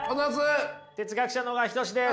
哲学者の小川仁志です。